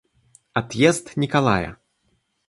Отъезд Николая.